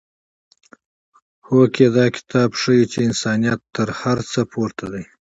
هوکې دا کتاب ښيي چې انسانیت تر هر څه پورته دی.